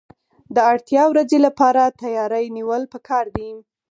د اړتیا ورځې لپاره تیاری نیول پکار دي.